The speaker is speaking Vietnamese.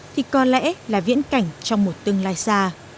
thì có lẽ là viễn cảnh trong một tương lai xa